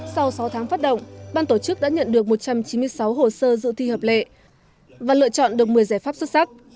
sau sáu tháng phát động ban tổ chức đã nhận được một trăm chín mươi sáu hồ sơ dự thi hợp lệ và lựa chọn được một mươi giải pháp xuất sắc